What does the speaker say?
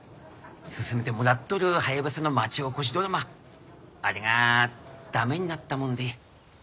進めてもらっとるハヤブサの町おこしドラマあれが駄目になったもんで。